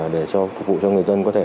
để phục vụ cho người dân có thể